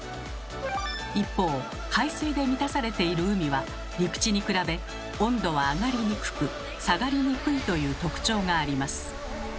一方海水で満たされている海は陸地に比べ温度は上がりにくく下がりにくいという特徴があります。